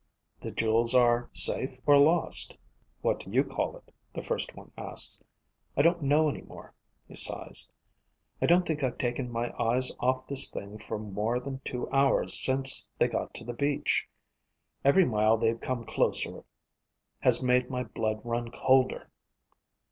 _ "The jewels are ... safe or lost?" _"What do you call it?" the first one asks. "I don't know any more." He sighs. "I don't think I've taken my eyes off this thing for more than two hours since they got to the beach. Every mile they've come closer has made my blood run colder."